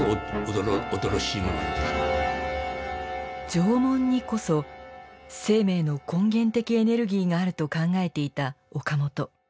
縄文にこそ生命の根源的エネルギーがあると考えていた岡本。